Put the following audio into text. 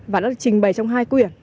và đã trình bày trong hai quyển